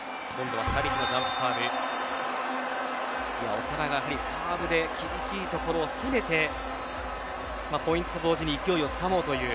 お互いがサーブで厳しいところを攻めてポイントと同時に勢いをつかもうという